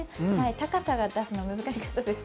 高さを出すのが難しかったです。